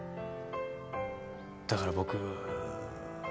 だから僕。